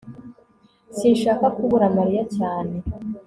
sinshaka kubura mariya cyane